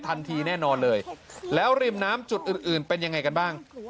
แน่นอนเลยแล้วริมน้ำจุดอื่นอื่นเป็นยังไงกันบ้าง